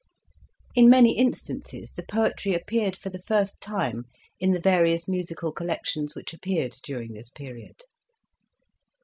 In many instances the poetry appeared for the first time in the various musical collections which appeared during this period.